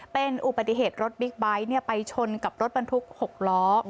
เป็นอุบัติเหตุรถบิ๊กไบท์ไปชนกับรถบรรทุก๖ล้อ